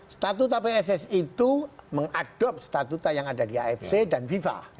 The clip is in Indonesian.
statuta pssi itu mengadopsi statuta yang ada di afc dan fifa